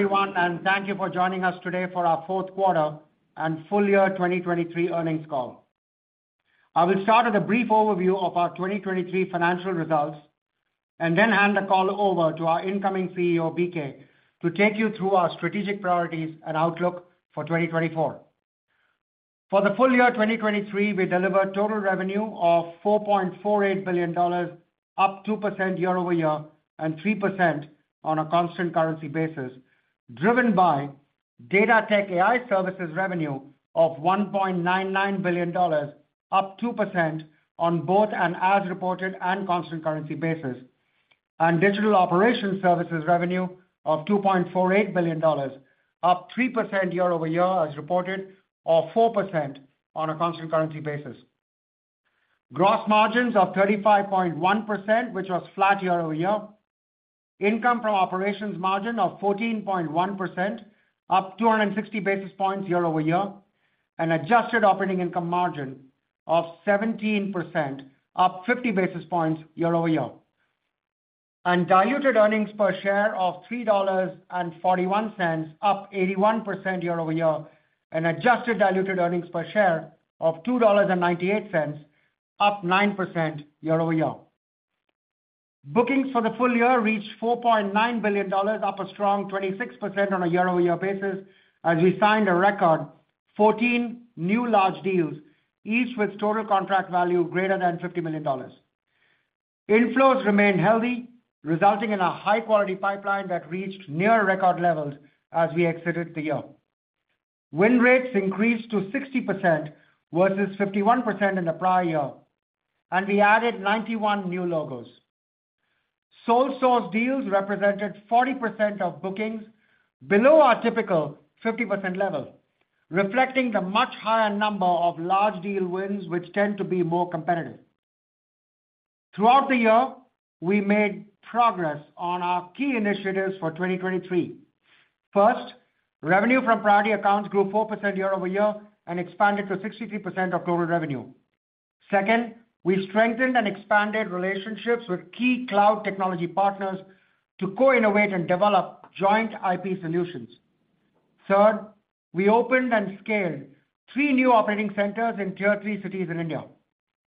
Everyone, and thank you for joining us today for our Q4 and full year 2023 earnings call. I will start with a brief overview of our 2023 financial results, and then hand the call over to our incoming CEO, BK, to take you through our strategic priorities and outlook for 2024. For the full year 2023, we delivered total revenue of $4.48 billion, up 2% year-over-year, and 3% on a constant currency basis, driven by Data-Tech-AI services revenue of $1.99 billion, up 2% on both an as-reported and constant currency basis. Digital Operations services revenue of $2.48 billion, up 3% year-over-year as reported, or 4% on a constant currency basis. Gross margins of 35.1%, which was flat year-over-year. Income from operations margin of 14.1%, up 260 basis points year-over-year. Adjusted operating income margin of 17%, up 50 basis points year-over-year. Diluted earnings per share of $3.41, up 81% year-over-year, and adjusted diluted earnings per share of $2.98, up 9% year-over-year. Bookings for the full year reached $4.9 billion, up a strong 26% on a year-over-year basis, as we signed a record 14 new large deals, each with total contract value greater than $50 million. Inflows remained healthy, resulting in a high-quality pipeline that reached near record levels as we exited the year. Win rates increased to 60% versus 51% in the prior year, and we added 91 new logos. Sole source deals represented 40% of bookings, below our typical 50% level, reflecting the much higher number of large deal wins, which tend to be more competitive. Throughout the year, we made progress on our key initiatives for 2023. First, revenue from priority accounts grew 4% year-over-year and expanded to 63% of total revenue. Second, we strengthened and expanded relationships with key cloud technology partners to co-innovate and develop joint IP solutions. Third, we opened and scaled three new operating centers in tier three cities in India.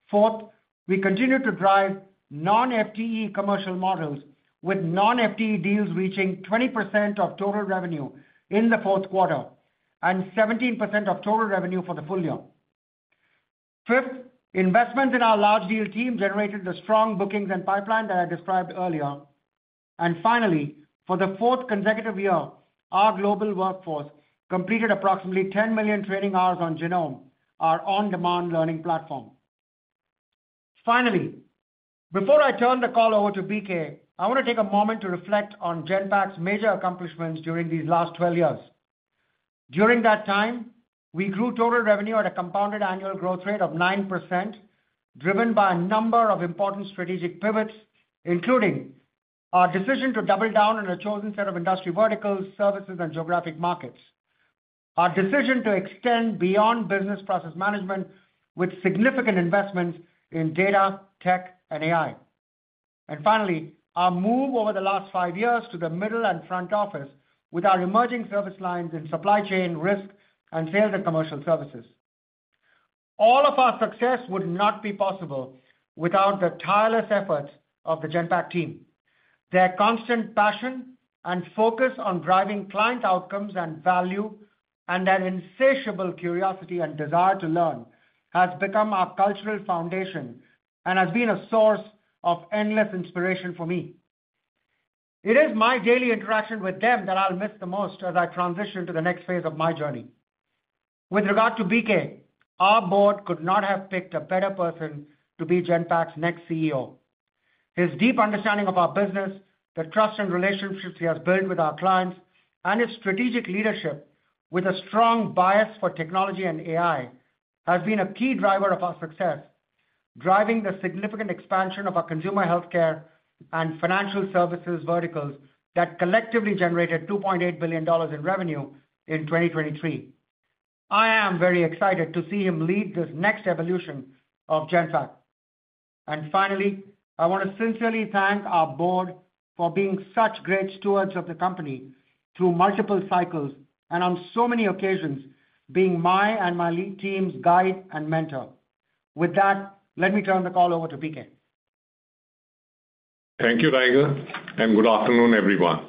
Fourth, we continued to drive non-FTE commercial models, with non-FTE deals reaching 20% of total revenue in the Q4 and 17% of total revenue for the full year. Fifth, investments in our large deal team generated the strong bookings and pipeline that I described earlier. Finally, for the fourth consecutive year, our global workforce completed approximately 10 million training hours on Genome, our on-demand learning platform. Finally, before I turn the call over to BK, I want to take a moment to reflect on Genpact's major accomplishments during these last 12 years. During that time, we grew total revenue at a compounded annual growth rate of 9%, driven by a number of important strategic pivots, including our decision to double down on a chosen set of industry verticals, services, and geographic markets. Our decision to extend beyond business process management, with significant investments in data, tech, and AI. Finally, our move over the last 5 years to the middle and front office with our emerging service lines in supply chain, risk, and sales and commercial services. All of our success would not be possible without the tireless efforts of the Genpact team. Their constant passion and focus on driving client outcomes and value, and their insatiable curiosity and desire to learn, has become our cultural foundation and has been a source of endless inspiration for me. It is my daily interaction with them that I'll miss the most as I transition to the next phase of my journey. With regard to BK, our board could not have picked a better person to be Genpact's next CEO. His deep understanding of our business, the trust and relationships he has built with our clients, and his strategic leadership with a strong bias for technology and AI, has been a key driver of our success, driving the significant expansion of our Consumer Healthcare and Financial Services verticals that collectively generated $2.8 billion in revenue in 2023. I am very excited to see him lead this next evolution of Genpact. Finally, I want to sincerely thank our board for being such great stewards of the company through multiple cycles and on so many occasions, being my and my lead team's guide and mentor. With that, let me turn the call over to BK. Thank you, Tiger, and good afternoon, everyone.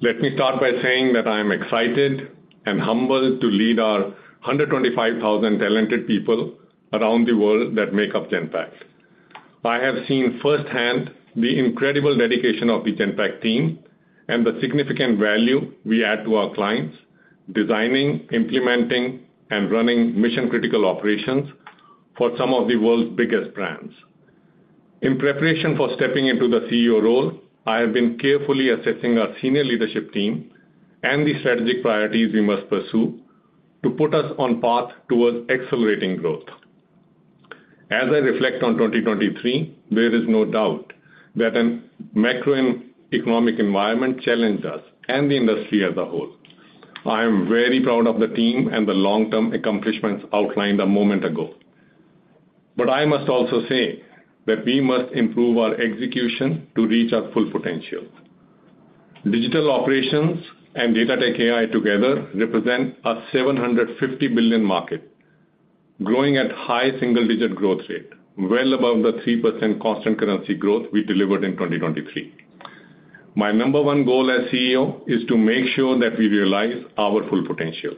Let me start by saying that I am excited and humbled to lead our 125,000 talented people around the world that make up Genpact. I have seen firsthand the incredible dedication of the Genpact team and the significant value we add to our clients, designing, implementing, and running mission-critical operations for some of the world's biggest brands. In preparation for stepping into the CEO role, I have been carefully assessing our senior leadership team and the strategic priorities we must pursue to put us on path towards accelerating growth. As I reflect on 2023, there is no doubt that a macroeconomic environment challenged us and the industry as a whole. I am very proud of the team and the long-term accomplishments outlined a moment ago.... But I must also say that we must improve our execution to reach our full potential. Digital operations and data-tech AI together represent a $750 billion market, growing at high single-digit growth rate, well above the 3% constant currency growth we delivered in 2023. My number one goal as CEO is to make sure that we realize our full potential.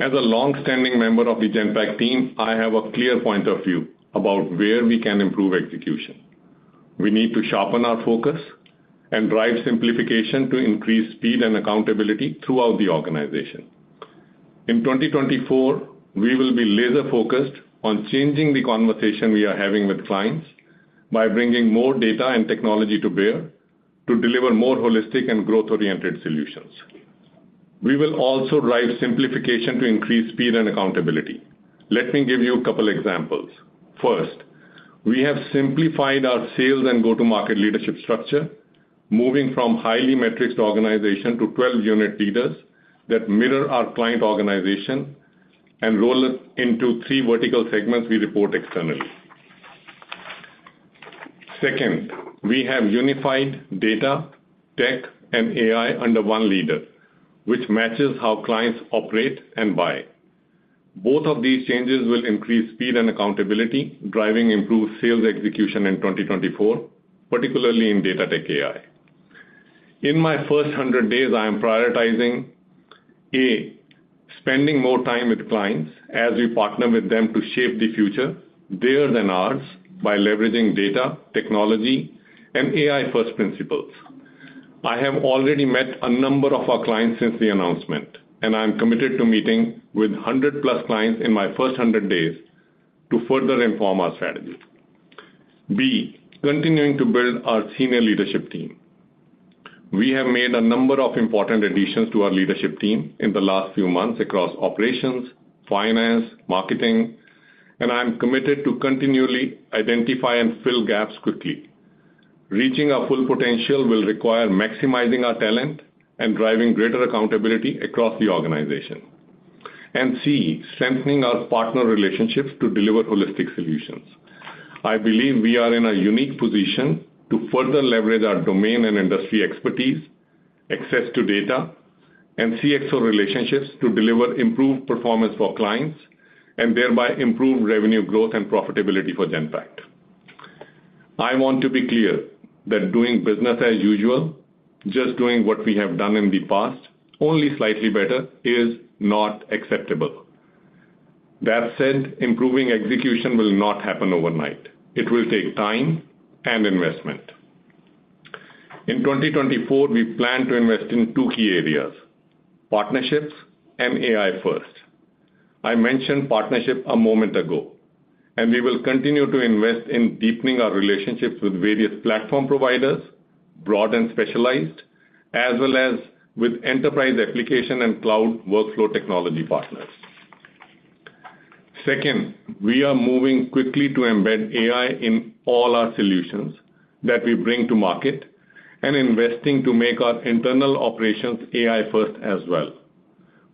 As a long-standing member of the Genpact team, I have a clear point of view about where we can improve execution. We need to sharpen our focus and drive simplification to increase speed and accountability throughout the organization. In 2024, we will be laser-focused on changing the conversation we are having with clients by bringing more data and technology to bear to deliver more holistic and growth-oriented solutions. We will also drive simplification to increase speed and accountability. Let me give you a couple examples. First, we have simplified our sales and go-to-market leadership structure, moving from highly matrixed organization to 12 unit leaders that mirror our client organization and roll it into three vertical segments we report externally. Second, we have unified data, tech, and AI under one leader, which matches how clients operate and buy. Both of these changes will increase speed and accountability, driving improved sales execution in 2024, particularly in Data-Tech-AI. In my first 100 days, I am prioritizing, A, spending more time with clients as we partner with them to shape the future, theirs and ours, by leveraging data, technology, and AI first principles. I have already met a number of our clients since the announcement, and I am committed to meeting with 100+ clients in my first 100 days to further inform our strategy. B, continuing to build our senior leadership team. We have made a number of important additions to our leadership team in the last few months across operations, finance, marketing, and I am committed to continually identify and fill gaps quickly. Reaching our full potential will require maximizing our talent and driving greater accountability across the organization. C, strengthening our partner relationships to deliver holistic solutions. I believe we are in a unique position to further leverage our domain and industry expertise, access to data, and CxO relationships to deliver improved performance for clients, and thereby improve revenue growth and profitability for Genpact. I want to be clear that doing business as usual, just doing what we have done in the past, only slightly better, is not acceptable. That said, improving execution will not happen overnight. It will take time and investment. In 2024, we plan to invest in two key areas: partnerships and AI first. I mentioned partnership a moment ago, and we will continue to invest in deepening our relationships with various platform providers, broad and specialized, as well as with enterprise application and cloud workflow technology partners. Second, we are moving quickly to embed AI in all our solutions that we bring to market and investing to make our internal operations AI first as well.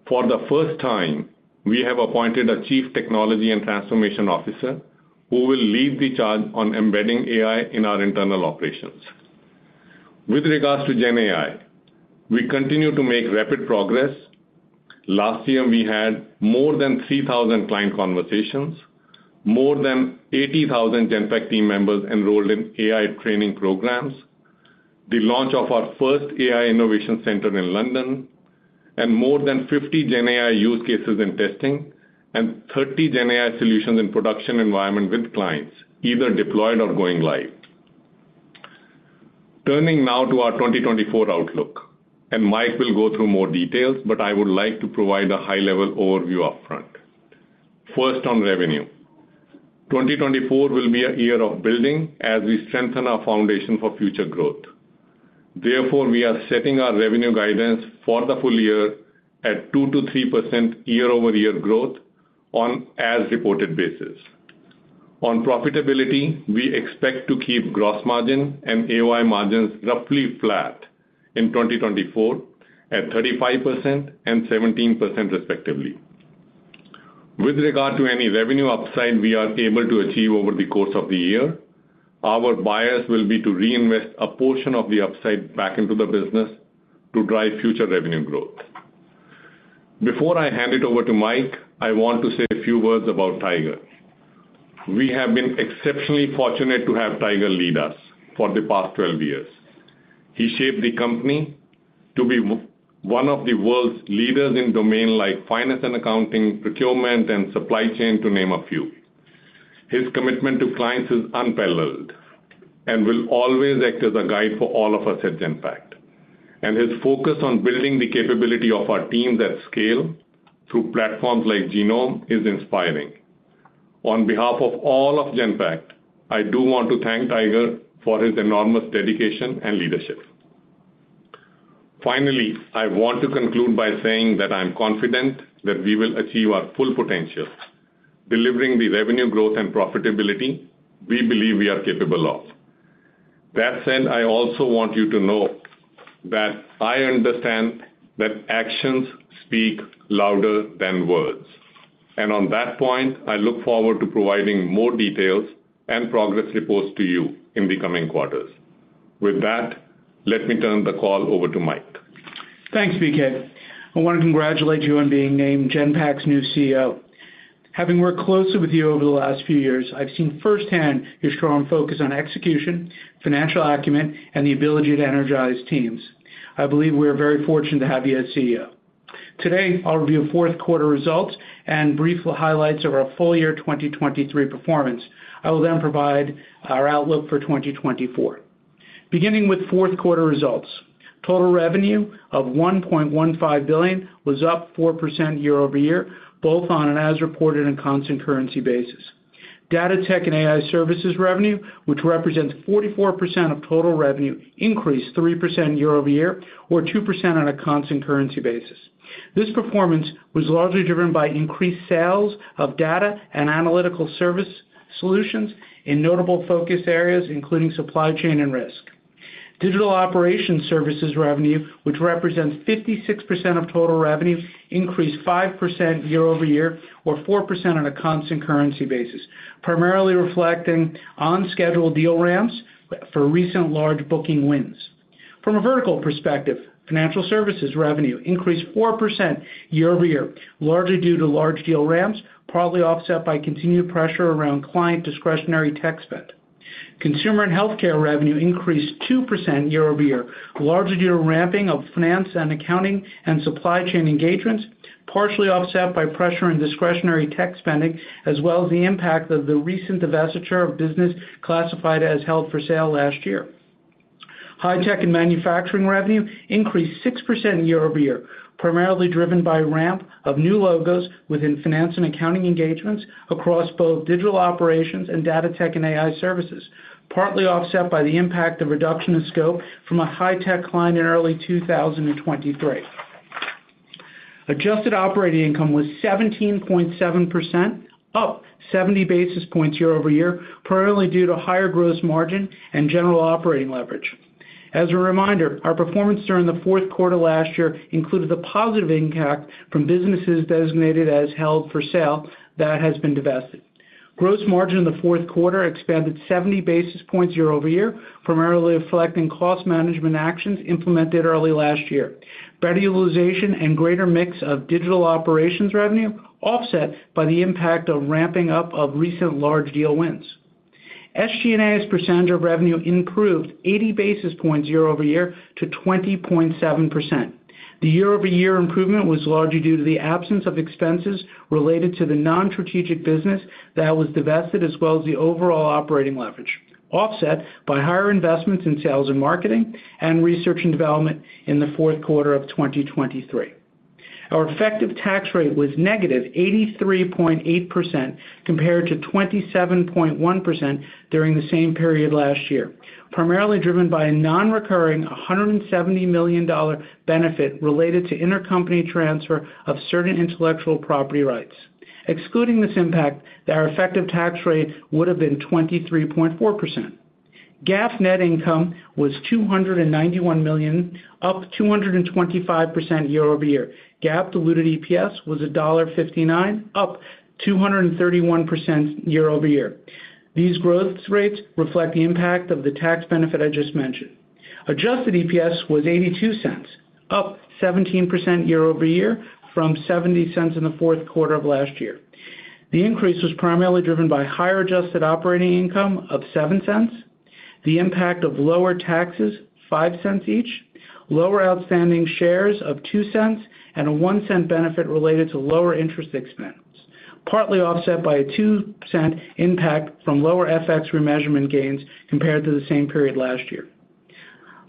For the first time, we have appointed a Chief Technology and Transformation Officer, who will lead the charge on embedding AI in our internal operations. With regards to GenAI, we continue to make rapid progress. Last year, we had more than 3,000 client conversations, more than 80,000 Genpact team members enrolled in AI training programs, the launch of our first AI innovation center in London, and more than 50 GenAI use cases in testing and 30 GenAI solutions in production environment with clients, either deployed or going live. Turning now to our 2024 outlook, and Mike will go through more details, but I would like to provide a high-level overview upfront. First, on revenue. 2024 will be a year of building as we strengthen our foundation for future growth. Therefore, we are setting our revenue guidance for the full year at 2%-3% year-over-year growth on as-reported basis. On profitability, we expect to keep gross margin and AOI margins roughly flat in 2024, at 35% and 17%, respectively. With regard to any revenue upside we are able to achieve over the course of the year, our bias will be to reinvest a portion of the upside back into the business to drive future revenue growth. Before I hand it over to Mike, I want to say a few words about Tiger. We have been exceptionally fortunate to have Tiger lead us for the past 12 years. He shaped the company to be one of the world's leaders in domains like finance and accounting, procurement, and supply chain, to name a few. His commitment to clients is unparalleled and will always act as a guide for all of us at Genpact. And his focus on building the capability of our teams at scale through platforms like Genome is inspiring. On behalf of all of Genpact, I do want to thank Tiger for his enormous dedication and leadership. Finally, I want to conclude by saying that I'm confident that we will achieve our full potential, delivering the revenue growth and profitability we believe we are capable of.... That said, I also want you to know that I understand that actions speak louder than words, and on that point, I look forward to providing more details and progress reports to you in the coming quarters. With that, let me turn the call over to Mike. Thanks, BK. I want to congratulate you on being named Genpact's new CEO. Having worked closely with you over the last few years, I've seen firsthand your strong focus on execution, financial acumen, and the ability to energize teams. I believe we are very fortunate to have you as CEO. Today, I'll review Q4 results and brief highlights of our full year 2023 performance. I will then provide our outlook for 2024. Beginning with Q4 results, total revenue of $1.15 billion was up 4% year-over-year, both on an as-reported and Constant Currency basis. Data-Tech-AI Services revenue, which represents 44% of total revenue, increased 3% year-over-year, or 2% on a Constant Currency basis. This performance was largely driven by increased sales of data and analytical service solutions in notable focus areas, including supply chain and risk. Digital Operations Services revenue, which represents 56% of total revenue, increased 5% year-over-year, or 4% on a constant currency basis, primarily reflecting on scheduled deal ramps for recent large booking wins. From a vertical perspective, financial services revenue increased 4% year-over-year, largely due to large deal ramps, partly offset by continued pressure around client discretionary tech spend. Consumer and healthcare revenue increased 2% year-over-year, largely due to ramping of finance and accounting and supply chain engagements, partially offset by pressure and discretionary tech spending, as well as the impact of the recent divestiture of business classified as held for sale last year. High-Tech and Manufacturing revenue increased 6% year-over-year, primarily driven by ramp of new logos within finance and accounting engagements across both Digital Operations and Data-Tech-AI Services, partly offset by the impact of reduction of scope from a high-tech client in early 2023. Adjusted operating income was 17.7%, up 70 basis points year-over-year, primarily due to higher gross margin and general operating leverage. As a reminder, our performance during the Q4 last year included the positive impact from businesses designated as held for sale that has been divested. Gross margin in the Q4 expanded 70 basis points year-over-year, primarily reflecting cost management actions implemented early last year. Better utilization and greater mix of Digital Operations revenue, offset by the impact of ramping up of recent large deal wins. SG&A as a percentage of revenue improved 80 basis points year over year to 20.7%. The year-over-year improvement was largely due to the absence of expenses related to the non-strategic business that was divested, as well as the overall operating leverage, offset by higher investments in sales and marketing and research and development in the Q4 of 2023. Our effective tax rate was -83.8%, compared to 27.1% during the same period last year, primarily driven by a non-recurring, $170 million benefit related to intercompany transfer of certain intellectual property rights. Excluding this impact, their effective tax rate would have been 23.4%. GAAP net income was $291 million, up 225% year over year. GAAP diluted EPS was $1.59, up 231% year-over-year. These growth rates reflect the impact of the tax benefit I just mentioned. Adjusted EPS was $0.82, up 17% year-over-year from $0.70 in the Q4 of last year. The increase was primarily driven by higher adjusted operating income of $0.07, the impact of lower taxes, $0.05 each, lower outstanding shares of $0.02, and a $0.01 benefit related to lower interest expense, partly offset by a 2% impact from lower FX remeasurement gains compared to the same period last year.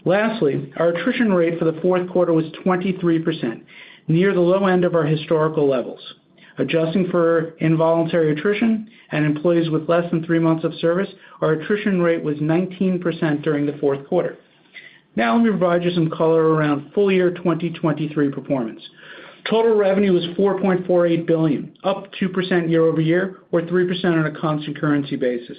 Lastly, our attrition rate for the Q4 was 23%, near the low end of our historical levels. Adjusting for involuntary attrition and employees with less than three months of service, our attrition rate was 19% during the Q4. Now, let me provide you some color around full year 2023 performance. Total revenue was $4.48 billion, up 2% year-over-year or 3% on a constant currency basis.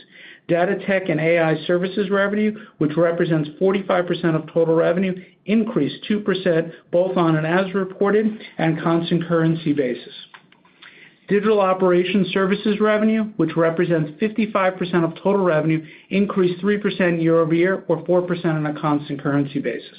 Data-Tech-AI services revenue, which represents 45% of total revenue, increased 2% both on an as-reported and constant currency basis. Digital Operations services revenue, which represents 55% of total revenue, increased 3% year-over-year or 4% on a constant currency basis.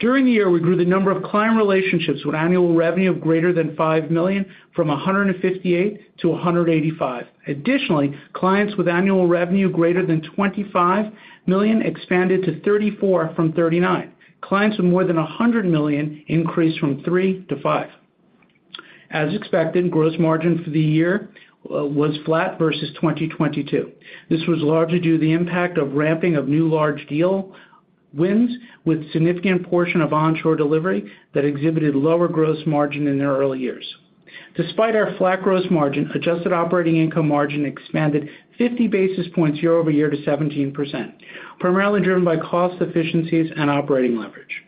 During the year, we grew the number of client relationships with annual revenue of greater than $5 million from 158 to 185. Additionally, clients with annual revenue greater than $25 million expanded to 34 from 39. Clients with more than $100 million increased from 3 to 5. As expected, gross margin for the year was flat versus 2022. This was largely due to the impact of ramping of new large deal wins, with significant portion of onshore delivery that exhibited lower gross margin in their early years. Despite our flat gross margin, adjusted operating income margin expanded 50 basis points year over year to 17%, primarily driven by cost efficiencies and operating leverage.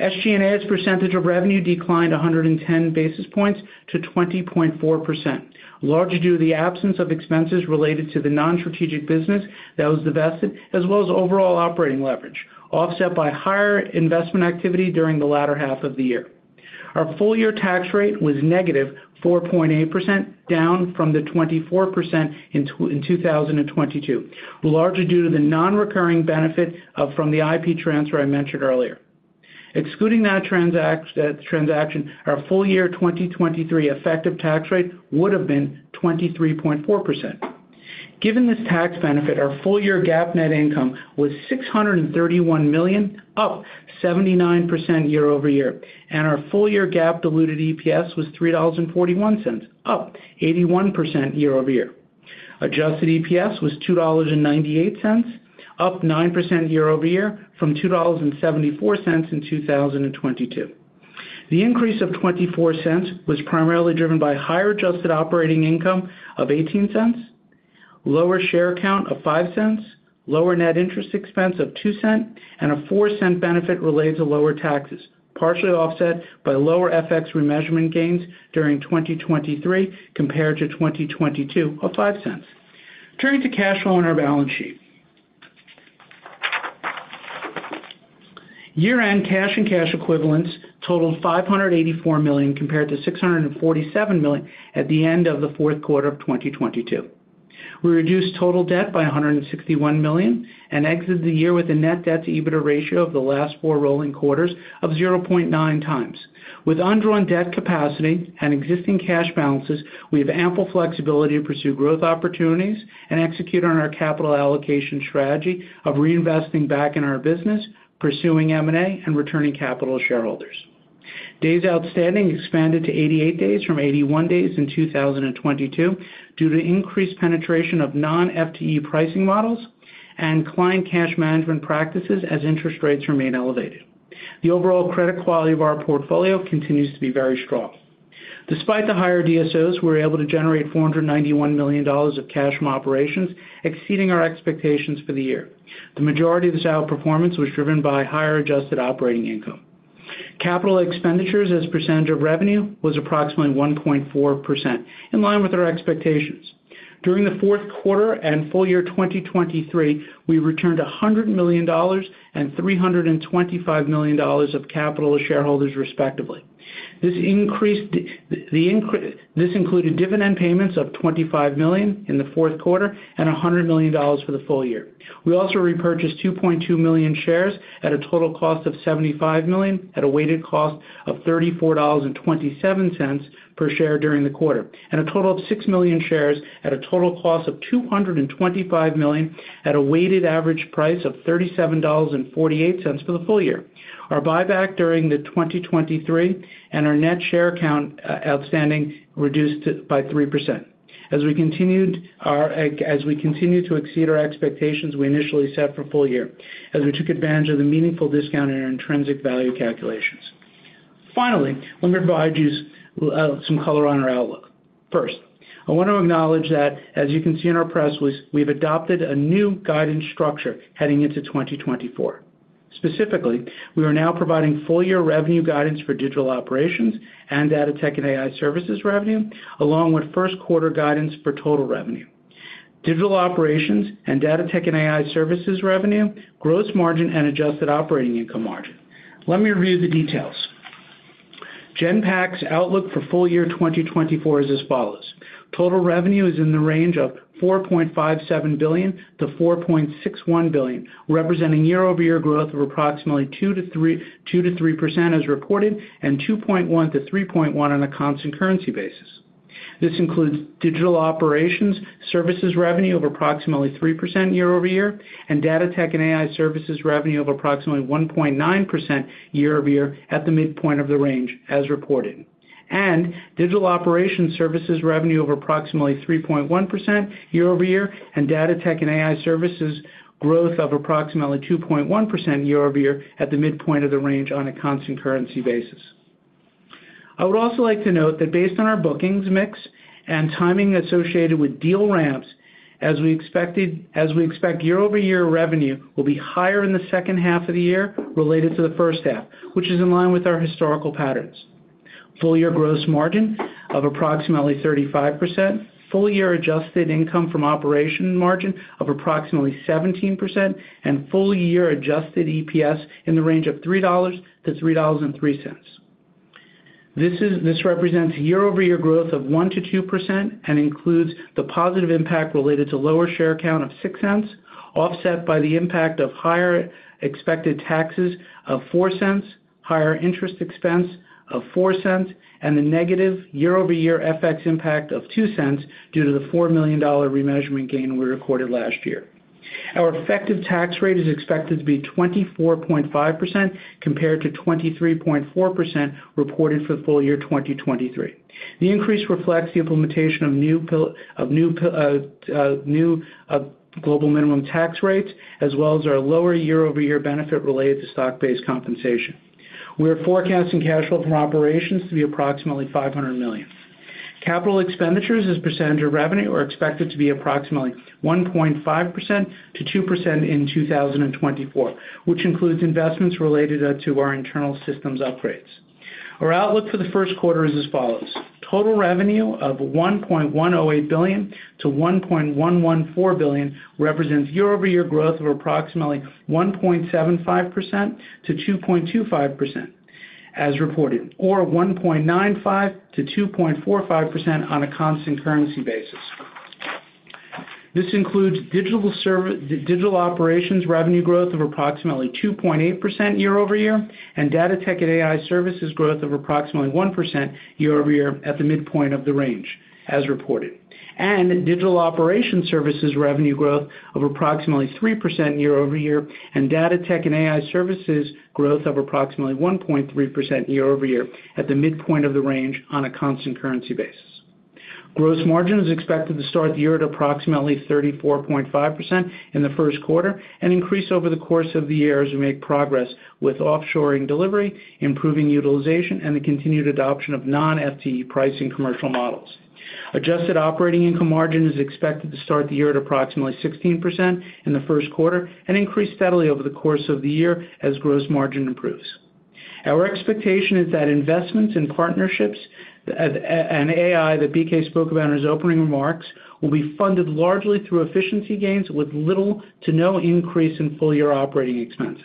SG&A as percentage of revenue declined 110 basis points to 20.4%, largely due to the absence of expenses related to the non-strategic business that was divested, as well as overall operating leverage, offset by higher investment activity during the latter half of the year. Our full-year tax rate was negative 4.8%, down from the 24% in 2022, largely due to the non-recurring benefit from the IP transfer I mentioned earlier. Excluding that transaction, our full-year 2023 effective tax rate would have been 23.4%. Given this tax benefit, our full-year GAAP net income was $631 million, up 79% year-over-year, and our full-year GAAP diluted EPS was $3.41, up 81% year-over-year. Adjusted EPS was $2.98, up 9% year-over-year from $2.74 in 2022. The increase of $0.24 was primarily driven by higher adjusted operating income of $0.18, lower share count of $0.05, lower net interest expense of $0.02, and a $0.04 benefit related to lower taxes, partially offset by lower FX remeasurement gains during 2023 compared to 2022 of $0.05. Turning to cash flow on our balance sheet. Year-end cash and cash equivalents totaled $584 million, compared to $647 million at the end of the Q4 of 2022. We reduced total debt by $161 million and exited the year with a net debt to EBITDA ratio of the last four rolling quarters of 0.9x. With undrawn debt capacity and existing cash balances, we have ample flexibility to pursue growth opportunities and execute on our capital allocation strategy of reinvesting back in our business, pursuing M&A, and returning capital to shareholders. Days outstanding expanded to 88 days from 81 days in 2022 due to increased penetration of non-FTE pricing models and client cash management practices as interest rates remain elevated. The overall credit quality of our portfolio continues to be very strong. Despite the higher DSOs, we were able to generate $491 million of cash from operations, exceeding our expectations for the year. The majority of this outperformance was driven by higher adjusted operating income. Capital expenditures as a percentage of revenue was approximately 1.4%, in line with our expectations. During the Q4 and full year 2023, we returned $100 million and $325 million of capital to shareholders, respectively. This included dividend payments of $25 million in the Q4 and $100 million for the full year. We also repurchased 2.2 million shares at a total cost of $75 million, at a weighted cost of $34.27 per share during the quarter, and a total of 6 million shares at a total cost of $225 million at a weighted average price of $37.48 for the full year. Our buyback during the 2023 and our net share count outstanding reduced by 3%. As we continue to exceed our expectations we initially set for full-year, as we took advantage of the meaningful discount in our intrinsic value calculations. Finally, let me provide you some color on our outlook. First, I want to acknowledge that, as you can see in our press release, we've adopted a new guidance structure heading into 2024. Specifically, we are now providing full-year revenue guidance for Digital Operations and Data-Tech-AI Services revenue, along with Q1 guidance for total revenue. Digital Operations and Data-Tech-AI Services revenue, gross margin, and adjusted operating income margin. Let me review the details. Genpact's outlook for full year 2024 is as follows: Total revenue is in the range of $4.57 billion-$4.61 billion, representing year-over-year growth of approximately 2%-3% as reported, and 2.1%-3.1% on a constant currency basis. This includes digital operations services revenue of approximately 3% year-over-year, and Data-Tech-AI Services revenue of approximately 1.9% year-over-year at the midpoint of the range as reported. Digital operations services revenue of approximately 3.1% year-over-year, and Data-Tech-AI Services growth of approximately 2.1% year-over-year at the midpoint of the range on a constant currency basis. I would also like to note that based on our bookings mix and timing associated with deal ramps, as we expect year-over-year revenue will be higher in the second half of the year related to the first half, which is in line with our historical patterns. Full-year gross margin of approximately 35%, full-year adjusted income from operations margin of approximately 17%, and full-year adjusted EPS in the range of $3.00-$3.03. This represents year-over-year growth of 1%-2% and includes the positive impact related to lower share count of $0.06, offset by the impact of higher expected taxes of $0.04, higher interest expense of $0.04, and the negative year-over-year FX impact of $0.02 due to the $4 million remeasurement gain we recorded last year. Our effective tax rate is expected to be 24.5%, compared to 23.4% reported for the full year 2023. The increase reflects the implementation of new global minimum tax rates, as well as our lower year-over-year benefit related to stock-based compensation. We are forecasting cash flow from operations to be approximately $500 million. Capital expenditures as a percentage of revenue are expected to be approximately 1.5%-2% in 2024, which includes investments related to our internal systems upgrades. Our outlook for the Q1 is as follows: Total revenue of $1.108 billion-$1.114 billion represents year-over-year growth of approximately 1.75%-2.25%, as reported, or 1.95%-2.45% on a constant currency basis. This includes Digital Operations Services revenue growth of approximately 2.8% year-over-year, and Data-Tech-AI Services growth of approximately 1% year-over-year at the midpoint of the range, as reported. Digital Operations Services revenue growth of approximately 3% year-over-year, and Data-Tech-AI Services growth of approximately 1.3% year-over-year at the midpoint of the range on a constant currency basis. Gross margin is expected to start the year at approximately 34.5% in the Q1 and increase over the course of the year as we make progress with offshoring delivery, improving utilization, and the continued adoption of non-FTE pricing commercial models. Adjusted operating income margin is expected to start the year at approximately 16% in the Q1 and increase steadily over the course of the year as gross margin improves. Our expectation is that investments in partnerships, and AI, that BK spoke about in his opening remarks, will be funded largely through efficiency gains, with little to no increase in full-year operating expenses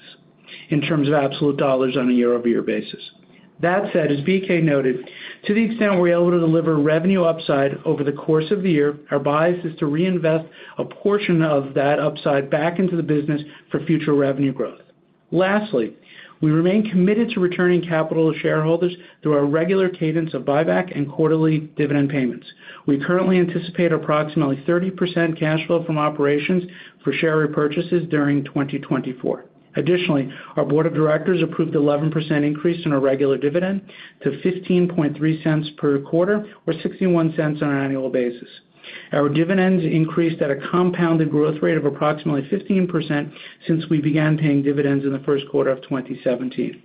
in terms of absolute dollars on a year-over-year basis. That said, as BK noted, to the extent we're able to deliver revenue upside over the course of the year, our bias is to reinvest a portion of that upside back into the business for future revenue growth. Lastly, we remain committed to returning capital to shareholders through our regular cadence of buyback and quarterly dividend payments. We currently anticipate approximately 30% cash flow from operations for share repurchases during 2024. Additionally, our board of directors approved 11% increase in our regular dividend to $0.153 per quarter, or $0.61 on an annual basis. Our dividends increased at a compounded growth rate of approximately 15% since we began paying dividends in the Q1 of 2017.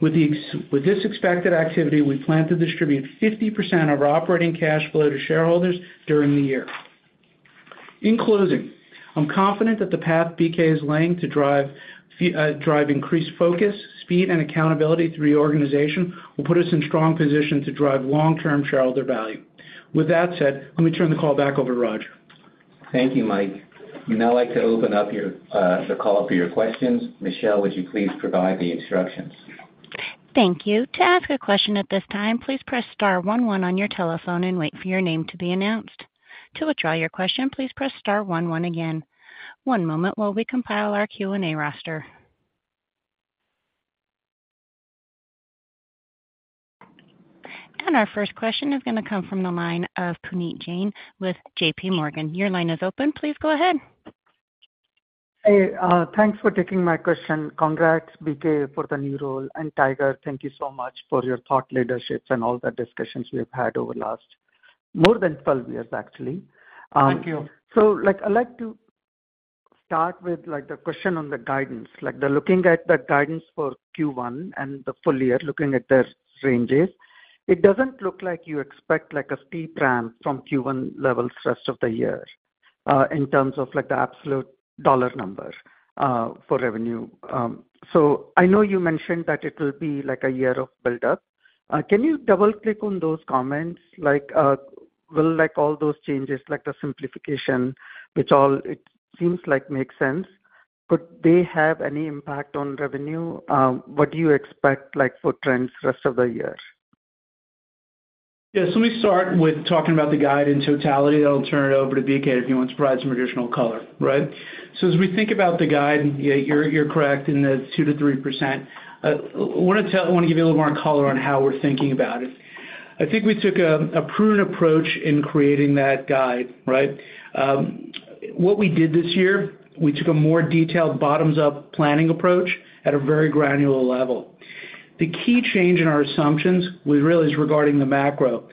With this expected activity, we plan to distribute 50% of our operating cash flow to shareholders during the year. In closing, I'm confident that the path BK is laying to drive increased focus, speed, and accountability through the organization will put us in strong position to drive long-term shareholder value. With that said, let me turn the call back over to Tiger. Thank you, Mike. We'd now like to open up the call up for your questions. Michelle, would you please provide the instructions? Thank you. To ask a question at this time, please press star one one on your telephone and wait for your name to be announced. To withdraw your question, please press star one one again. One moment while we compile our Q&A roster. Our first question is gonna come from the line of Puneet Jain with JP Morgan. Your line is open. Please go ahead. Hey, thanks for taking my question. Congrats, BK, for the new role, and Tiger, thank you so much for your thought leaderships and all the discussions we've had over the last more than 12 years, actually. Thank you. So, like, I'd like to start with, like, the question on the guidance. Like, looking at the guidance for Q1 and the full year, looking at the ranges, it doesn't look like you expect, like, a steep ramp from Q1 levels rest of the year, in terms of, like, the absolute dollar number, for revenue. So I know you mentioned that it will be like a year of build-up. Can you double-click on those comments? Like, will, like, all those changes, like the simplification, which all it seems like makes sense, could they have any impact on revenue? What do you expect, like, for trends rest of the year? Yes, let me start with talking about the guide in totality, then I'll turn it over to BK if he wants to provide some additional color, right? So as we think about the guide, yeah, you're correct in the 2%-3%. I wanna give you a little more color on how we're thinking about it. I think we took a prudent approach in creating that guide, right? What we did this year, we took a more detailed bottoms-up planning approach at a very granular level. The key change in our assumptions was really is regarding the macro.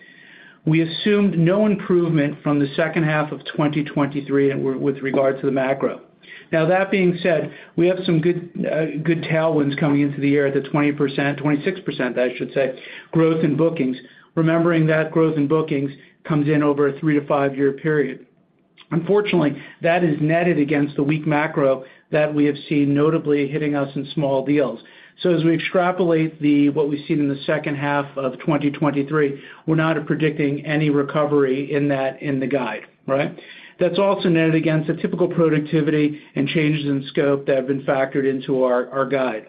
We assumed no improvement from the second half of 2023 and with regard to the macro. Now, that being said, we have some good, good tailwinds coming into the year, the 20%, 26%, I should say, growth in bookings, remembering that growth in bookings comes in over a 3-5-year period. Unfortunately, that is netted against the weak macro that we have seen notably hitting us in small deals. So as we extrapolate the... what we've seen in the second half of 2023, we're not predicting any recovery in that, in the guide, right? That's also netted against the typical productivity and changes in scope that have been factored into our, our guide.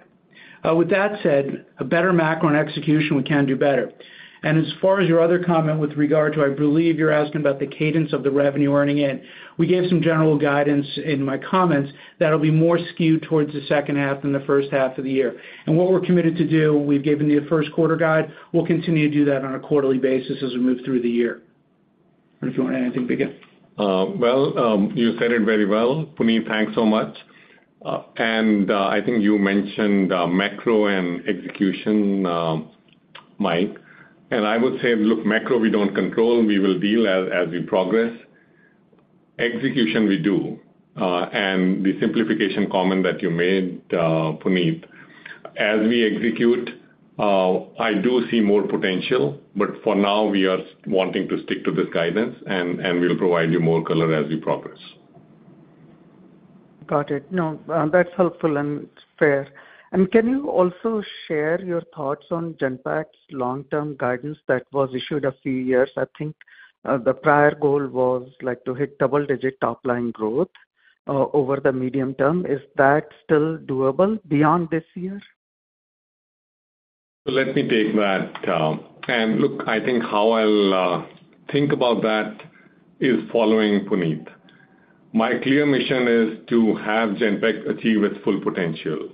With that said, a better macro and execution, we can do better. And as far as your other comment with regard to, I believe you're asking about the cadence of the revenue earning in, we gave some general guidance in my comments that'll be more skewed towards the second half than the first half of the year. And what we're committed to do, we've given you a Q1 guide, we'll continue to do that on a quarterly basis as we move through the year. If you want to add anything, BK. Well, you said it very well, Puneet, thanks so much. And I think you mentioned macro and execution, Mike, and I would say, look, macro, we don't control, we will deal as we progress. Execution we do, and the simplification comment that you made, Puneet. As we execute, I do see more potential, but for now, we are wanting to stick to this guidance, and we'll provide you more color as we progress. Got it. No, that's helpful, and it's fair. Can you also share your thoughts on Genpact's long-term guidance that was issued a few years? I think, the prior goal was like to hit double-digit top-line growth, over the medium term. Is that still doable beyond this year? So let me take that. Look, I think how I'll think about that is following Puneet. My clear mission is to have Genpact achieve its full potential.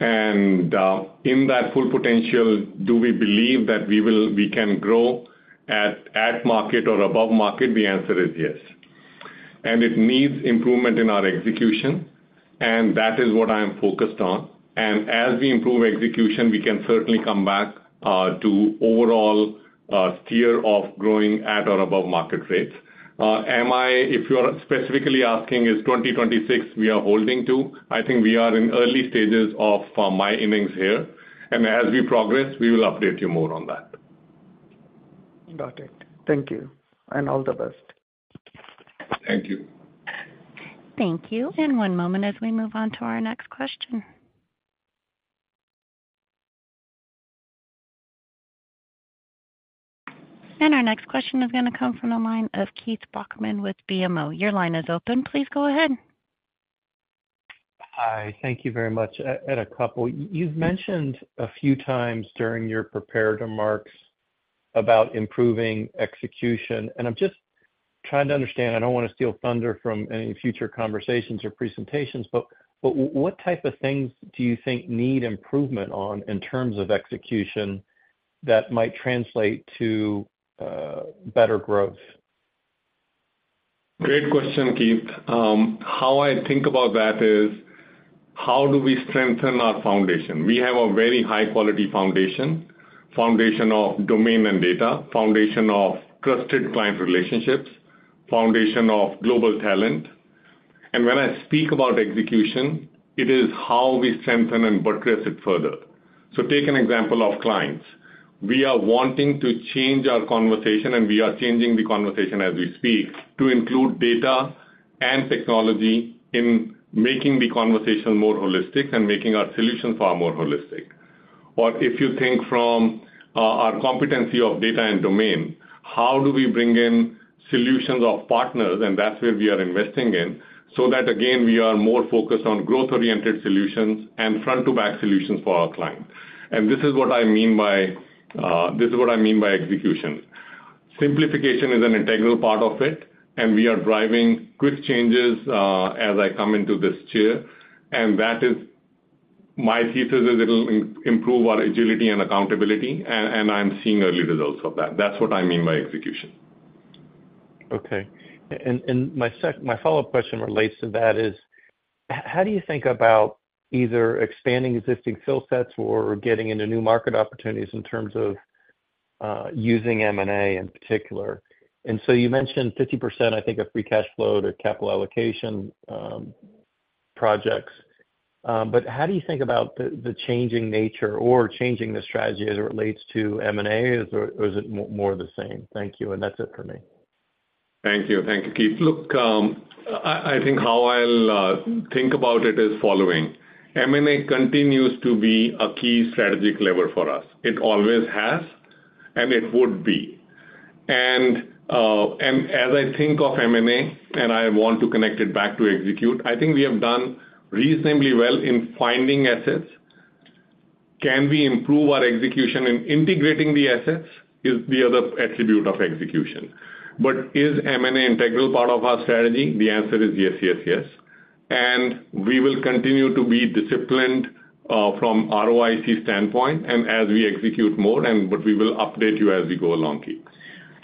In that full potential, do we believe that we can grow at market or above market? The answer is yes. It needs improvement in our execution, and that is what I am focused on. As we improve execution, we can certainly come back to overall tier of growing at or above market rates. If you are specifically asking, is 2026 we are holding to, I think we are in early stages of my innings here, and as we progress, we will update you more on that. Got it. Thank you, and all the best. Thank you. Thank you. One moment as we move on to our next question. Our next question is going to come from the line of Keith Bachman with BMO. Your line is open. Please go ahead. Hi. Thank you very much. I had a couple... You've mentioned a few times during your prepared remarks about improving execution, and I'm just trying to understand. I don't want to steal thunder from any future conversations or presentations, but, but what type of things do you think need improvement on in terms of execution that might translate to better growth? Great question, Keith. How I think about that is, how do we strengthen our foundation? We have a very high-quality foundation, foundation of domain and data, foundation of trusted client relationships, foundation of global talent. And when I speak about execution, it is how we strengthen and progress it further. So take an example of clients. We are wanting to change our conversation, and we are changing the conversation as we speak, to include data and technology in making the conversation more holistic and making our solutions far more holistic. Or if you think from our competency of data and domain, how do we bring in solutions of partners? And that's where we are investing in, so that, again, we are more focused on growth-oriented solutions and front-to-back solutions for our clients. And this is what I mean by, this is what I mean by execution. Simplification is an integral part of it, and we are driving quick changes, as I come into this chair, and that is my thesis, is it'll improve our agility and accountability, and, and I'm seeing early results of that. That's what I mean by execution. Okay. And my follow-up question relates to that, is how do you think about either expanding existing skill sets or getting into new market opportunities in terms of using M&A in particular? And so you mentioned 50%, I think, of free cash flow to capital allocation projects, but how do you think about the changing nature or changing the strategy as it relates to M&A, or is it more the same? Thank you, and that's it for me. Thank you. Thank you, Keith. Look, I think how I'll think about it is following. M&A continues to be a key strategic lever for us. It always has, and it would be. And as I think of M&A, and I want to connect it back to execute, I think we have done reasonably well in finding assets. Can we improve our execution in integrating the assets, is the other attribute of execution. But is M&A integral part of our strategy? The answer is yes, yes, yes. And we will continue to be disciplined from ROIC standpoint and as we execute more and... But we will update you as we go along, Keith.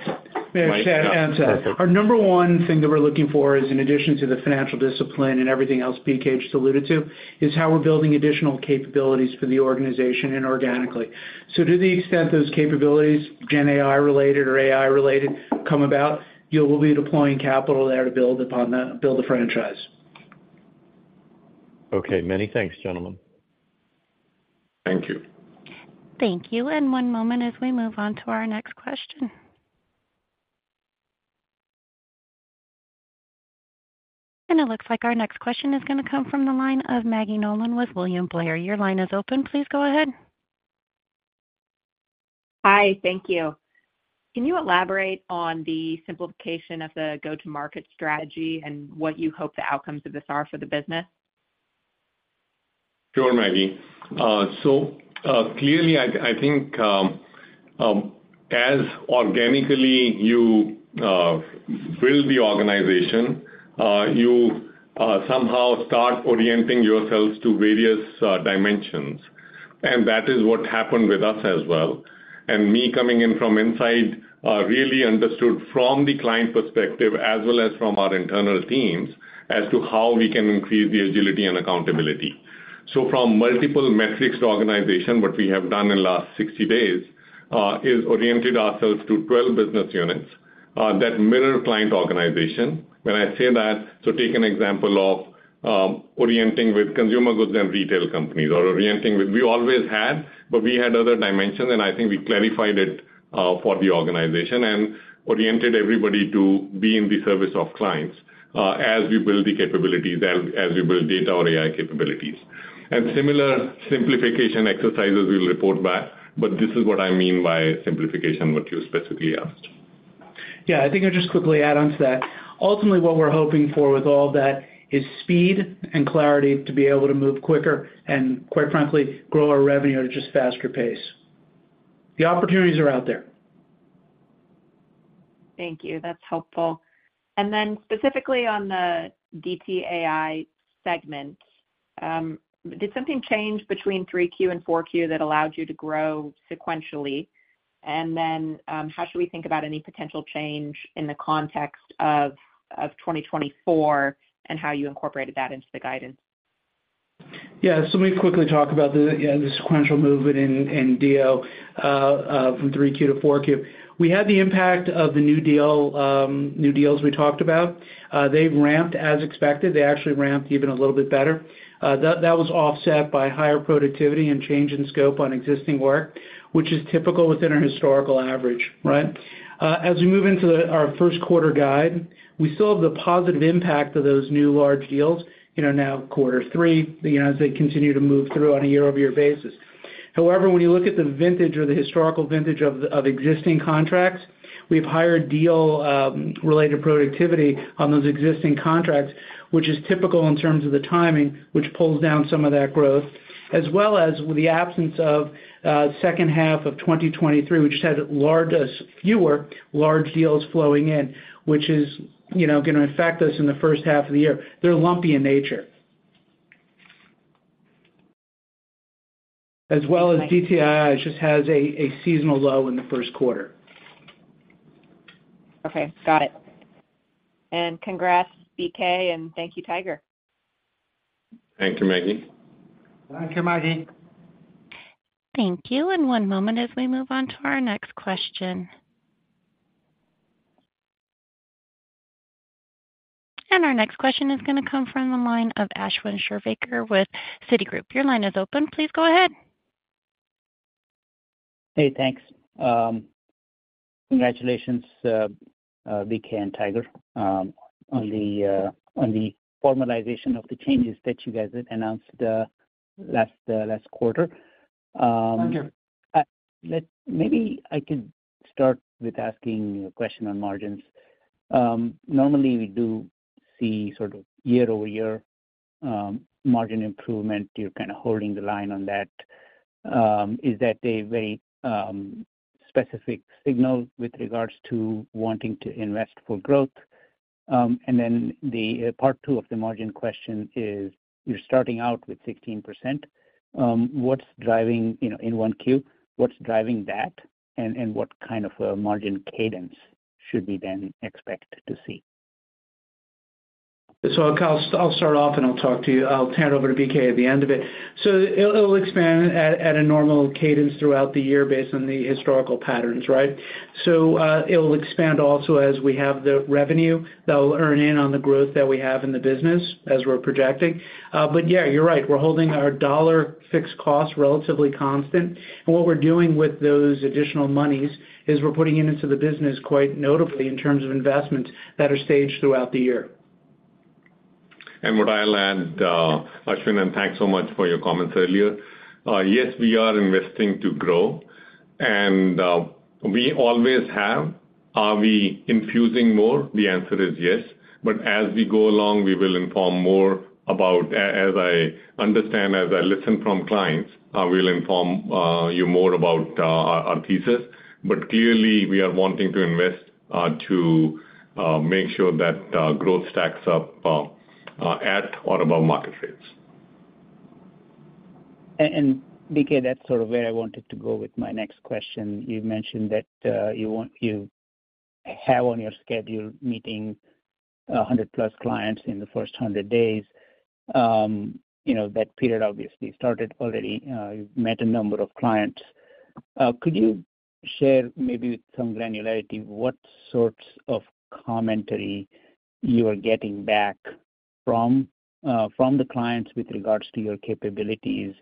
May I add to that? Our number one thing that we're looking for is, in addition to the financial discipline and everything else BK just alluded to, is how we're building additional capabilities for the organization inorganically. So to the extent those capabilities, GenAI-related or AI-related, come about, you know, we'll be deploying capital there to build upon the build a franchise. Okay. Many thanks, gentlemen. Thank you. Thank you. One moment as we move on to our next question. It looks like our next question is going to come from the line of Maggie Nolan with William Blair. Your line is open. Please go ahead. Hi, thank you. Can you elaborate on the simplification of the go-to-market strategy and what you hope the outcomes of this are for the business? Sure, Maggie. So, clearly, I think, as organically, you build the organization, you somehow start orienting yourselves to various dimensions. And that is what happened with us as well. And me coming in from inside, really understood from the client perspective as well as from our internal teams as to how we can increase the agility and accountability. So from multiple metrics to organization, what we have done in the last 60 days is oriented ourselves to 12 business units that mirror client organization. When I say that, so take an example of orienting with consumer goods and retail companies, or orienting with—we always had, but we had other dimensions, and I think we clarified it for the organization and oriented everybody to be in the service of clients, as we build the capabilities, as we build data or AI capabilities. And similar simplification exercises, we'll report back, but this is what I mean by simplification, what you specifically asked. Yeah, I think I'll just quickly add on to that. Ultimately, what we're hoping for with all that is speed and clarity to be able to move quicker and, quite frankly, grow our revenue at a just faster pace. The opportunities are out there. Thank you. That's helpful. And then specifically on the DTAI segment, did something change between 3Q and 4Q that allowed you to grow sequentially? And then, how should we think about any potential change in the context of 2024, and how you incorporated that into the guidance? So let me quickly talk about the sequential movement in DSO from Q3 to Q4. We had the impact of the new deal, new deals we talked about. They've ramped as expected. They actually ramped even a little bit better. That was offset by higher productivity and change in scope on existing work, which is typical within our historical average, right? As we move into our Q1 guide, we still have the positive impact of those new large deals, you know, now quarter three, you know, as they continue to move through on a year-over-year basis. However, when you look at the vintage or the historical vintage of the existing contracts, we have higher deal related productivity on those existing contracts, which is typical in terms of the timing, which pulls down some of that growth, as well as with the absence of second half of 2023, we just had fewer large deals flowing in, which is, you know, gonna affect us in the first half of the year. They're lumpy in nature. As well as DTI just has a seasonal low in the Q1. Okay, got it. Congrats, BK, and thank you, Tiger. Thank you, Maggie. Thank you, Maggie. Thank you. And one moment as we move on to our next question. And our next question is gonna come from the line of Ashwin Shirvaikar with Citigroup. Your line is open. Please go ahead. Hey, thanks. Congratulations, BK and Tiger, on the formalization of the changes that you guys had announced last quarter. Thank you. Maybe I could start with asking a question on margins. Normally, we do see sort of year-over-year margin improvement. You're kind of holding the line on that. Is that a very specific signal with regards to wanting to invest for growth? And then the part two of the margin question is: you're starting out with 16%. What's driving, you know, in 1Q, what's driving that? And what kind of a margin cadence should we then expect to see? So I'll start off and I'll talk to you. I'll turn it over to BK at the end of it. So it'll expand at a normal cadence throughout the year based on the historical patterns, right? So it'll expand also as we have the revenue that will earn in on the growth that we have in the business, as we're projecting. But yeah, you're right, we're holding our dollar fixed cost relatively constant. And what we're doing with those additional monies is we're putting it into the business quite notably in terms of investments that are staged throughout the year. What I'll add, Ashwin, and thanks so much for your comments earlier. Yes, we are investing to grow, and we always have. Are we infusing more? The answer is yes. But as we go along, we will inform more about as I understand, as I listen from clients, we'll inform you more about our, our thesis. But clearly, we are wanting to invest, to make sure that growth stacks up at or above market rates. And BK, that's sort of where I wanted to go with my next question. You mentioned that you have on your schedule, meeting 100+ clients in the first 100 days. You know, that period obviously started already. You've met a number of clients. Could you share maybe with some granularity, what sorts of commentary you are getting back from, from the clients with regards to your capabilities,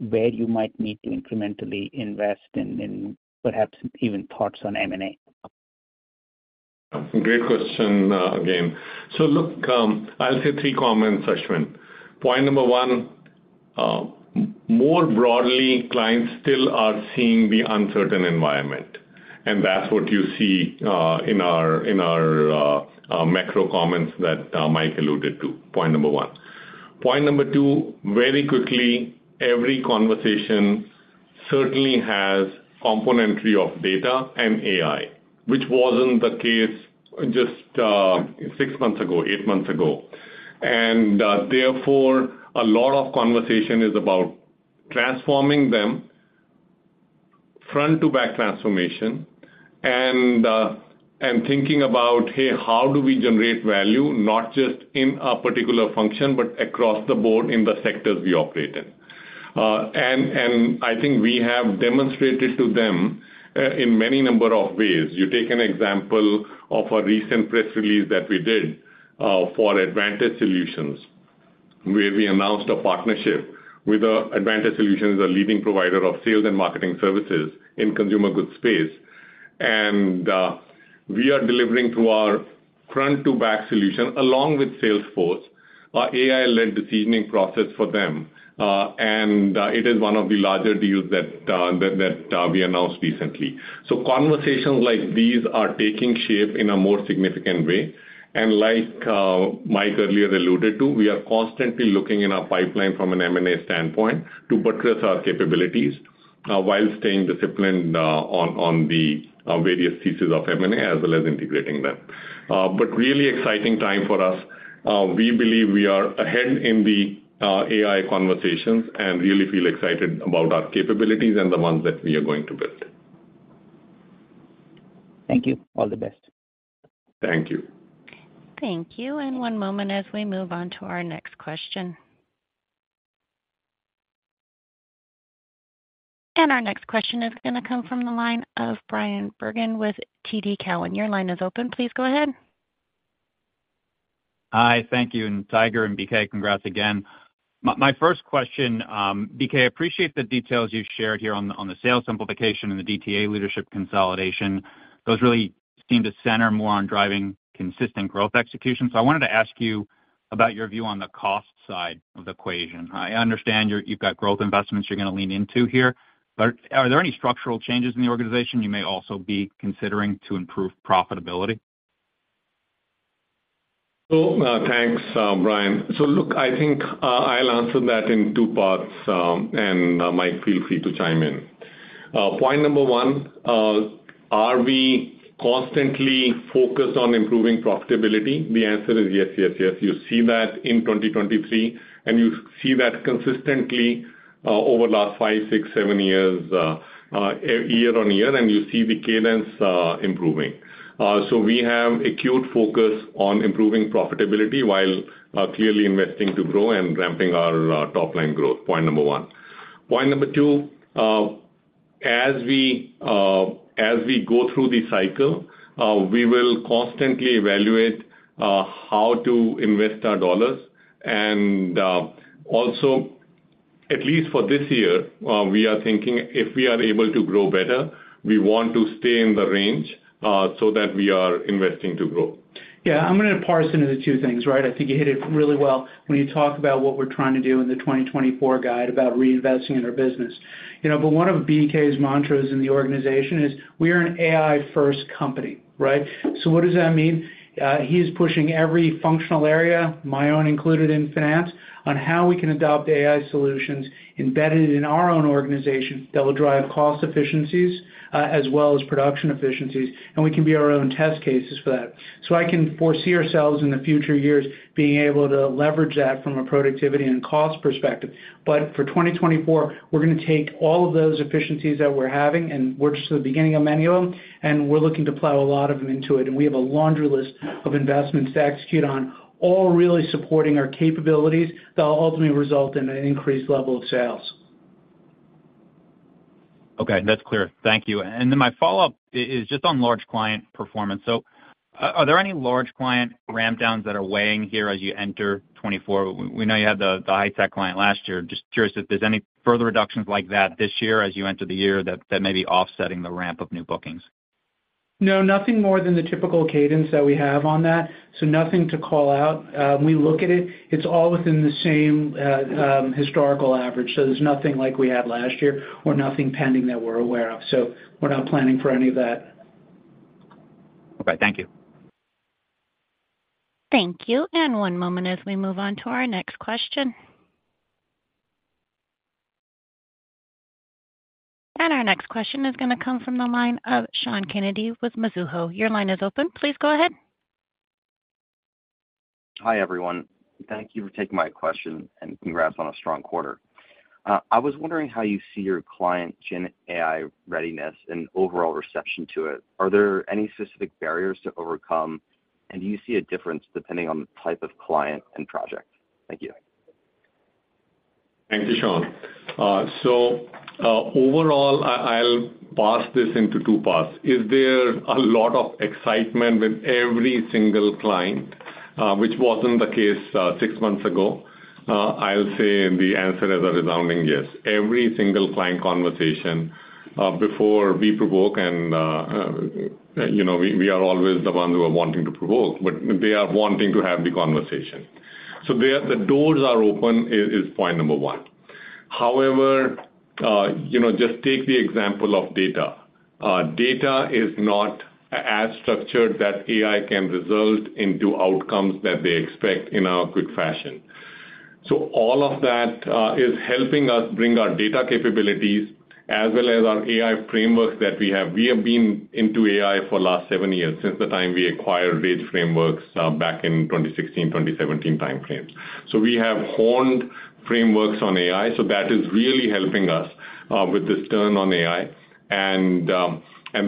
where you might need to incrementally invest and, and perhaps even thoughts on M&A? Great question, again. So look, I'll say three comments, Ashwin. Point number one, more broadly, clients still are seeing the uncertain environment, and that's what you see in our macro comments that Mike alluded to. Point number one. Point number two, very quickly, every conversation certainly has componentry of data and AI, which wasn't the case just six months ago, eight months ago. And therefore, a lot of conversation is about transforming them front-to-back transformation and thinking about, hey, how do we generate value, not just in a particular function, but across the board in the sectors we operate in? And I think we have demonstrated to them in many number of ways. You take an example of a recent press release that we did for Advantage Solutions, where we announced a partnership with Advantage Solutions, a leading provider of sales and marketing services in consumer goods space. We are delivering through our front-to-back solution along with Salesforce, our AI-led seasoning process for them. It is one of the larger deals that we announced recently. Conversations like these are taking shape in a more significant way. Like Mike earlier alluded to, we are constantly looking in our pipeline from an M&A standpoint to purchase our capabilities while staying disciplined on the various pieces of M&A, as well as integrating them. Really exciting time for us. We believe we are ahead in the AI conversations and really feel excited about our capabilities and the ones that we are going to build. Thank you. All the best. Thank you. Thank you. One moment as we move on to our next question. Our next question is gonna come from the line of Brian Bergin with TD Cowen. Your line is open. Please go ahead. Hi, thank you, and Tiger and BK, congrats again. My first question, BK. I appreciate the details you shared here on the sales simplification and the DTA leadership consolidation. Those really seem to center more on driving consistent growth execution. So I wanted to ask you about your view on the cost side of the equation. I understand you've got growth investments you're gonna lean into here, but are there any structural changes in the organization you may also be considering to improve profitability? So, thanks, Brian. So look, I think, I'll answer that in two parts, and, Mike, feel free to chime in. Point number one, are we constantly focused on improving profitability? The answer is yes, yes, yes. You see that in 2023, and you see that consistently, over the last five, six, seven years, year on year, and you see the cadence, improving. So we have acute focus on improving profitability while, clearly investing to grow and ramping our, top line growth. Point number one. Point number two, as we, as we go through the cycle, we will constantly evaluate, how to invest our dollars. Also, at least for this year, we are thinking if we are able to grow better, we want to stay in the range so that we are investing to grow. Yeah, I'm gonna parse into the two things, right? I think you hit it really well when you talk about what we're trying to do in the 2024 guide about reinvesting in our business. You know, but one of BK's mantras in the organization is: we are an AI-first company, right? So what does that mean? He's pushing every functional area, my own included in finance, on how we can adopt AI solutions embedded in our own organization that will drive cost efficiencies, as well as production efficiencies, and we can be our own test cases for that. So I can foresee ourselves in the future years being able to leverage that from a productivity and cost perspective. For 2024, we're gonna take all of those efficiencies that we're having, and we're just at the beginning of many of them, and we're looking to plow a lot of them into it. We have a laundry list of investments to execute on, all really supporting our capabilities, that will ultimately result in an increased level of sales. Okay, that's clear. Thank you. And then my follow-up is just on large client performance. So, are there any large client ramp downs that are weighing here as you enter 2024? We know you had the, the high-tech client last year. Just curious if there's any further reductions like that this year as you enter the year, that, that may be offsetting the ramp of new bookings. No, nothing more than the typical cadence that we have on that, so nothing to call out. When we look at it, it's all within the same historical average. So there's nothing like we had last year or nothing pending that we're aware of, so we're not planning for any of that. Okay, thank you. Thank you, and one moment as we move on to our next question. Our next question is gonna come from the line of Sean Kennedy with Mizuho. Your line is open. Please go ahead. Hi, everyone. Thank you for taking my question, and congrats on a strong quarter. I was wondering how you see your client GenAI readiness and overall reception to it. Are there any specific barriers to overcome, and do you see a difference depending on the type of client and project? Thank you. Thank you, Sean. So, overall, I'll parse this into two parts. Is there a lot of excitement with every single client, which wasn't the case six months ago? I'll say, and the answer is a resounding yes. Every single client conversation, before we provoke and, you know, we are always the ones who are wanting to provoke, but they are wanting to have the conversation. So the doors are open is point number one. However, you know, just take the example of data. Data is not as structured that AI can result into outcomes that they expect in a quick fashion. So all of that is helping us bring our data capabilities as well as our AI frameworks that we have. We have been into AI for the last seven years, since the time we acquired Rage Frameworks back in 2016, 2017 timeframes. So we have honed frameworks on AI, so that is really helping us with this turn on AI. And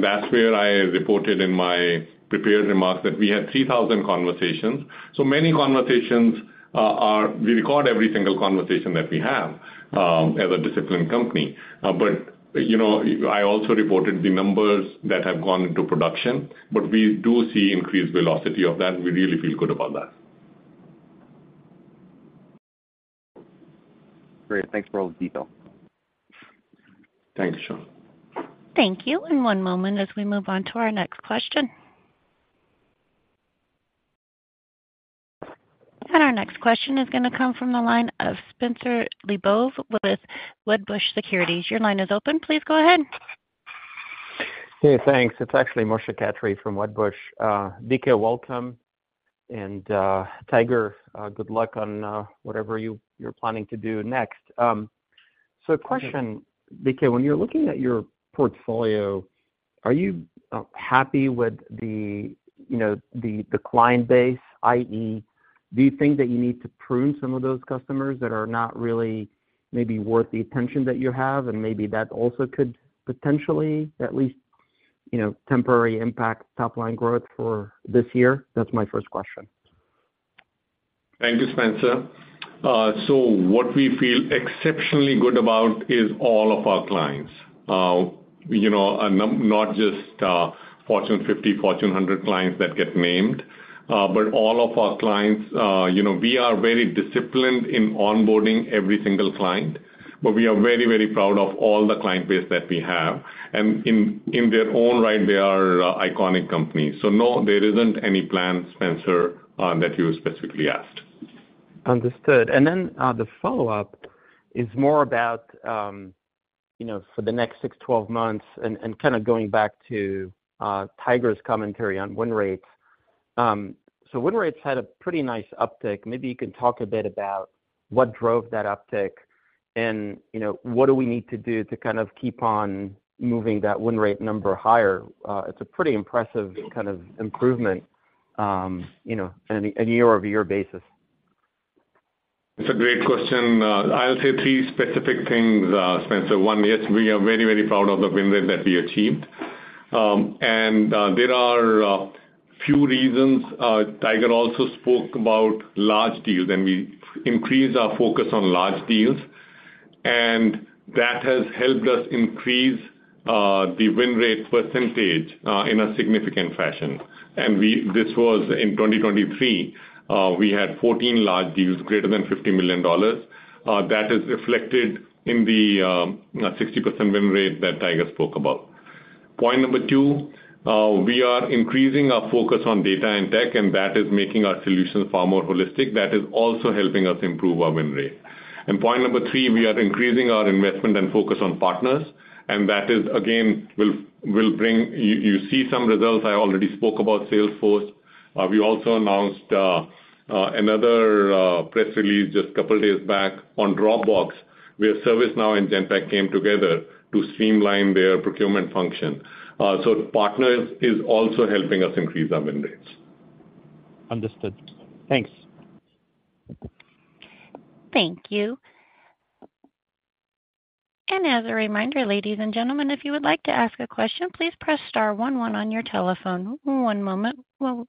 that's where I reported in my prepared remarks that we had 3,000 conversations. So many conversations, we record every single conversation that we have as a disciplined company. But you know, I also reported the numbers that have gone into production, but we do see increased velocity of that, and we really feel good about that. Great. Thanks for all the detail. Thanks, Sean. Thank you. In one moment, as we move on to our next question. Our next question is gonna come from the line of Spencer Lebov with Wedbush Securities. Your line is open. Please go ahead. Hey, thanks. It's actually Moshe Katri from Wedbush. BK, welcome, and, Tiger, good luck on, whatever you're planning to do next. So a question, BK, when you're looking at your portfolio, are you happy with the, you know, the client base, i.e., do you think that you need to prune some of those customers that are not really maybe worth the attention that you have, and maybe that also could potentially, at least, you know, temporary impact top-line growth for this year? That's my first question. Thank you, Spencer. So what we feel exceptionally good about is all of our clients. You know, and not, not just, Fortune 50, Fortune 100 clients that get named, but all of our clients. You know, we are very disciplined in onboarding every single client, but we are very, very proud of all the client base that we have. And in, in their own right, they are, iconic companies. So no, there isn't any plan, Spencer, that you specifically asked. Understood. And then, the follow-up is more about, you know, for the next 6, 12 months, and kind of going back to, Tiger's commentary on win rates. So win rates had a pretty nice uptick. Maybe you could talk a bit about what drove that uptick and, you know, what do we need to do to kind of keep on moving that win rate number higher? It's a pretty impressive kind of improvement, you know, on a year-over-year basis. It's a great question. I'll say three specific things, Spencer. One, yes, we are very, very proud of the win rate that we achieved. There are a few reasons. Tiger also spoke about large deals, and we increased our focus on large deals, and that has helped us increase the win rate percentage in a significant fashion. This was in 2023, we had 14 large deals, greater than $50 million. That is reflected in the 60% win rate that Tiger spoke about. Point number two, we are increasing our focus on data and tech, and that is making our solutions far more holistic. That is also helping us improve our win rate. And point number three, we are increasing our investment and focus on partners, and that is, again, will bring... You, you see some results. I already spoke about Salesforce. We also announced, another, press release just a couple of days back on Dropbox, where ServiceNow and Genpact came together to streamline their procurement function. So partners is also helping us increase our win rates. Understood. Thanks. Thank you. As a reminder, ladies and gentlemen, if you would like to ask a question, please press star one one on your telephone. One moment, please.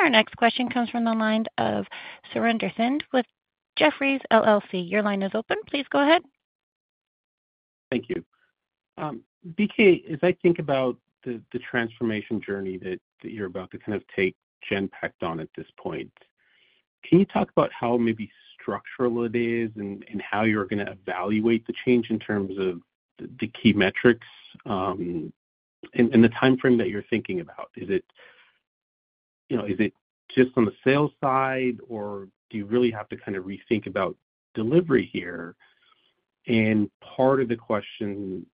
Our next question comes from the line of Surinder Thind with Jefferies LLC. Your line is open. Please go ahead. Thank you. BK, as I think about the transformation journey that you're about to kind of take Genpact on at this point, can you talk about how maybe structural it is and how you're gonna evaluate the change in terms of the key metrics, and the timeframe that you're thinking about? Is it, you know, is it just on the sales side, or do you really have to kind of rethink about delivery here? And part of the question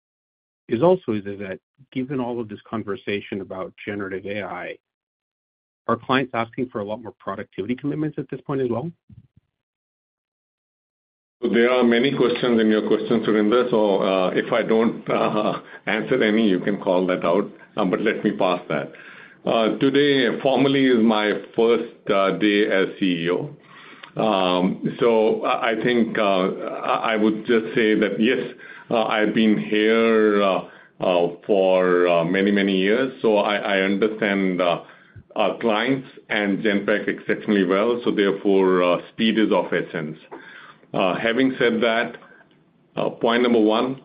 is also is that, given all of this conversation about generative AI, are clients asking for a lot more productivity commitments at this point as well? There are many questions in your question, Surinder, so if I don't answer any, you can call that out, but let me pass that. Today, formally, is my first day as CEO. So I think I would just say that, yes, I've been here for many, many years, so I understand our clients and Genpact exceptionally well, so therefore, speed is of essence. Having said that, point number one,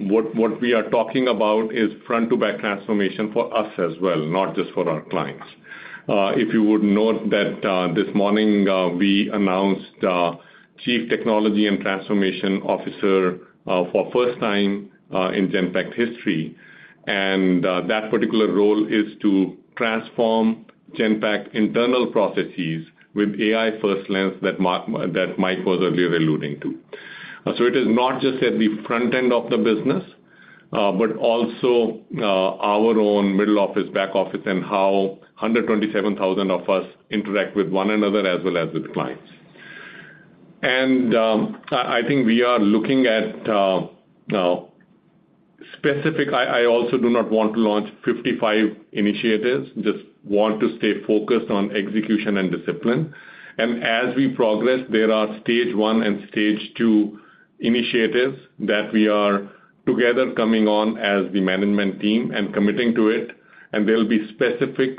what we are talking about is front-to-back transformation for us as well, not just for our clients. If you would note that, this morning we announced Chief Technology and Transformation Officer for first time in Genpact history, and that particular role is to transform Genpact internal processes with AI-first lens that Mark- that Mike was earlier alluding to. So it is not just at the front end of the business, but also our own middle office, back office, and how 127,000 of us interact with one another as well as with clients. And I think we are looking at specific. I also do not want to launch 55 initiatives, just want to stay focused on execution and discipline. As we progress, there are stage one and stage two initiatives that we are together coming on as the management team and committing to it, and there'll be specific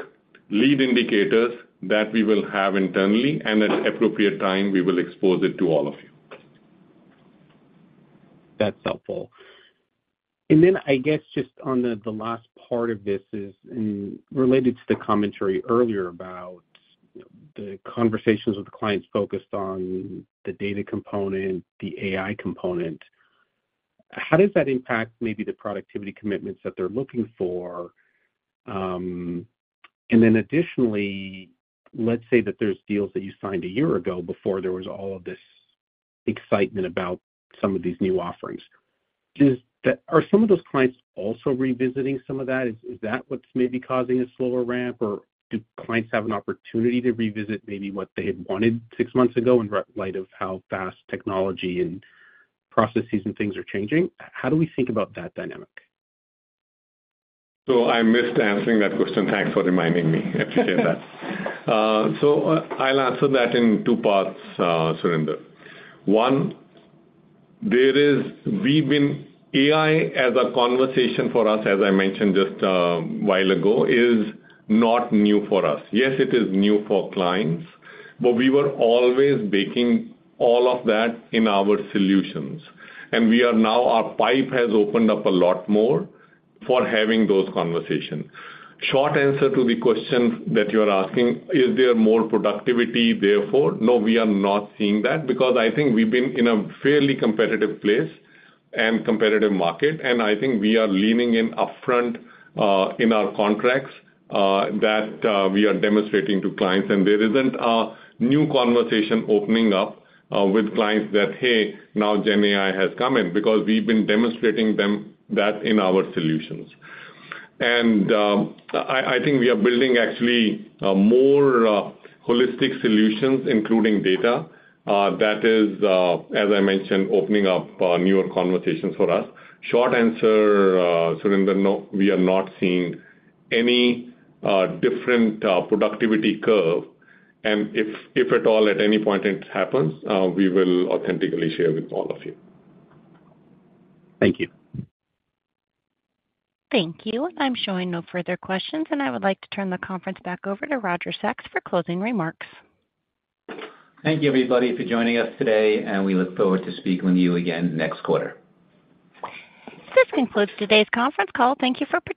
leading indicators that we will have internally, and at appropriate time, we will expose it to all of you. That's helpful. And then I guess just on the last part of this is, and related to the commentary earlier about the conversations with the clients focused on the data component, the AI component. How does that impact maybe the productivity commitments that they're looking for? And then additionally, let's say that there's deals that you signed a year ago before there was all of this excitement about some of these new offerings. Are some of those clients also revisiting some of that? Is that what's maybe causing a slower ramp, or do clients have an opportunity to revisit maybe what they had wanted six months ago in light of how fast technology and processes and things are changing? How do we think about that dynamic? So I missed answering that question. Thanks for reminding me. I appreciate that. So I'll answer that in two parts, Surinder. One, we've been AI as a conversation for us, as I mentioned just a while ago, is not new for us. Yes, it is new for clients, but we were always baking all of that in our solutions, and we are now, our pipe has opened up a lot more for having those conversations. Short answer to the question that you're asking, is there more productivity, therefore? No, we are not seeing that because I think we've been in a fairly competitive place and competitive market, and I think we are leaning in upfront in our contracts that we are demonstrating to clients. There isn't a new conversation opening up with clients that, "Hey, now GenAI has come in," because we've been demonstrating them that in our solutions. And I think we are building actually a more holistic solutions, including data, that is, as I mentioned, opening up newer conversations for us. Short answer, Surinder, no, we are not seeing any different productivity curve, and if at all, at any point it happens, we will authentically share with all of you. Thank you. Thank you. I'm showing no further questions, and I would like to turn the conference back over to Tiger Sachs for closing remarks. Thank you, everybody, for joining us today, and we look forward to speaking with you again next quarter. This concludes today's conference call. Thank you for participating.